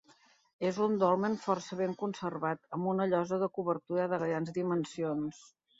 És un dolmen força ben conservat, amb una llosa de cobertura de grans dimensions.